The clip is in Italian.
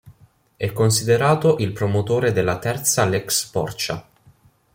È considerato il promotore della Terza Lex Porcia.